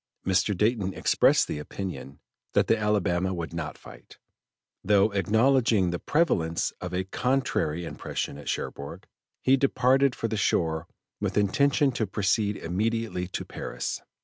Mr. Dayton expressed the opinion that the Alabama would not fight, though acknowledging the prevalence of a contrary impression at Cherbourg; he departed for the shore with intention to proceed immediately to Paris.